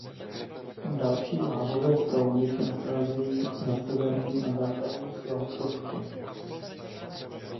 Další lávové proudy se nacházejí na severním a západním svahu sopky.